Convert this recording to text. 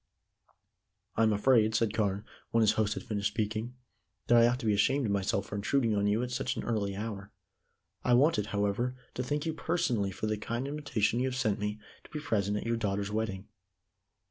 "I am afraid," said Carne, when his host had finished speaking, "that I ought to be ashamed of myself for intruding on you at such an early hour. I wanted, however, to thank you personally for the kind invitation you have sent me to be present at your daughter's wedding."